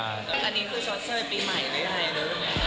อันนี้คือช็อตเซอร์ตีใหม่หรือยังไง